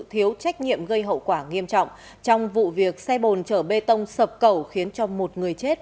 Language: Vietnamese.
thiếu trách nhiệm gây hậu quả nghiêm trọng trong vụ việc xe bồn chở bê tông sập cầu khiến cho một người chết